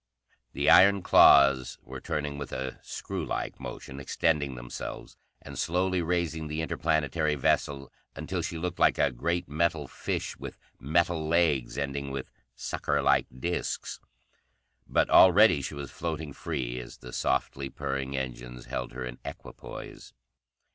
The iron claws were turning with a screwlike motion, extending themselves, and slowly raising the interplanetary vessel until she looked like a great metal fish with metal legs ending with suckerlike disks. But already she was floating free as the softly purring engines held her in equipoise.